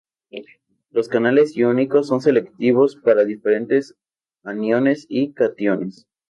Los canales iónicos son selectivos para diferentes aniones y cationes.